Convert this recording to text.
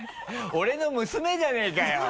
俺の娘じゃねぇかよ！